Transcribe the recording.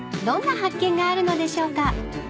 どんな発見があるのでしょうか］